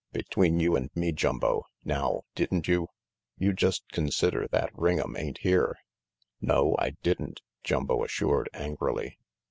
"Between you and me, Jumbo, now didn't you? You just consider that Ring'em ain't here." "No, I didn't," Jumbo assured angrily.